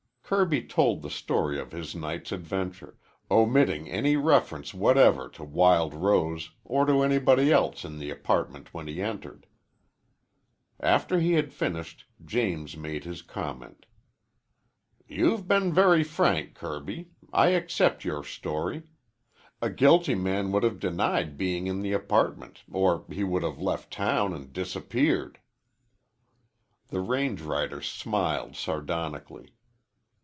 Kirby told the story of his night's adventure, omitting any reference whatever to Wild Rose or to anybody else in the apartment when he entered. After he had finished, James made his comment. "You've been very frank, Kirby. I accept your story. A guilty man would have denied being in the apartment, or he would have left town and disappeared." The range rider smiled sardonically.